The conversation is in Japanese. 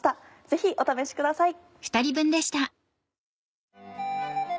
ぜひお試しください。